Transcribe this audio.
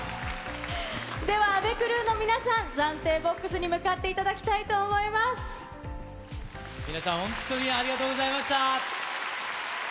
では、ａｖｅｃｒｅｗの皆さん、暫定ボックスに向かっていただきたいと皆さん、本当にありがとうございました。